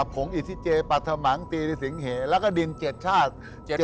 ผงอิทธิเจปรัฐมังตีริสิงเหแล้วก็ดิน๗ชาติ